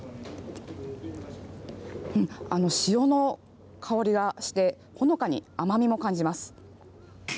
潮の香りがしてほのかに甘みも感じます。